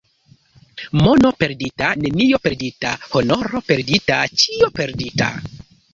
Mono perdita, nenio perdita, — honoro perdita, ĉio perdita.